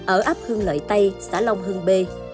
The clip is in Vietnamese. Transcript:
ở áp hương lợi tây xã long hưng b